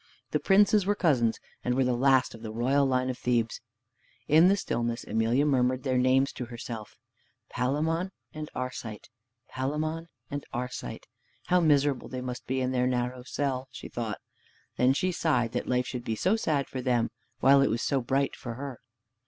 The princes were cousins, and were the last of the royal line of Thebes. In the stillness Emelia murmured their names to herself, "Palamon and Arcite, Palamon and Arcite. How miserable they must be in their narrow cell!" she thought. Then she sighed that life should be so sad for them while it was so bright for her!